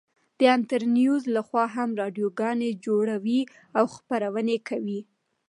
د انترنيوز لخوا هم راډيو گانې جوړې او خپرونې كوي.